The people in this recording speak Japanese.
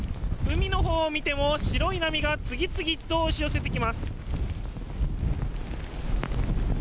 海のほうを見ても白い波が次々と押し寄せてきます。